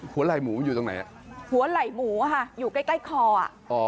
ไหล่หมูมันอยู่ตรงไหนอ่ะหัวไหล่หมูอ่ะค่ะอยู่ใกล้ใกล้คออ่ะอ๋อ